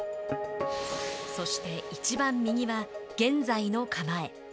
そして、いちばん右は現在の構え。